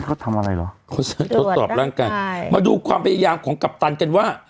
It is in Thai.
เขาทำอะไรเหรอทดสอบร่างกายใช่มาดูความพยายามของกัปตันกันว่า